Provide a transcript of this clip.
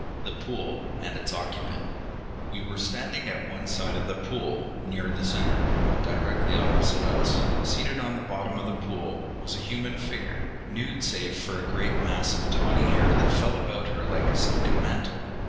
The pool and its occupant. We were standing at one side of the pool, near the center. Directly opposite us, seated on the bottom of the pool, was a human figure, nude save for a great mass of tawny hair that fell about her like a silken mantle.